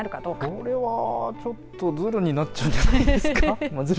これは、ちょっとずるになるんじゃないですか。